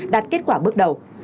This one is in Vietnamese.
đạt kết quả bước đầu